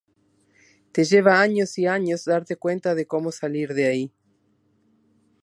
Te lleva años y años darte cuenta de como salir de ahí.